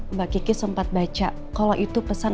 mbak kiki sempet baca kalo itu pesan